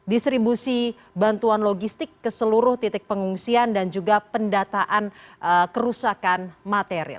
distribusi bantuan logistik ke seluruh titik pengungsian dan juga pendataan kerusakan material